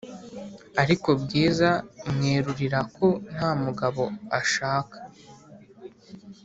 Ariko bwiza mwerurira ko ntamugabo ashaka